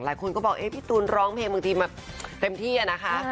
หลายคนก็บอกพี่ตูนร้องเพลงบางทีแบบเต็มที่นะคะ